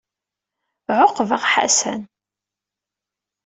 Ɛuqbeɣ Ḥasan.